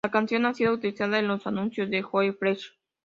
La canción ha sido utilizada en los anuncios de Joe Fresh.